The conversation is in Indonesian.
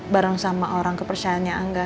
bareng sama orang kepercayaannya angga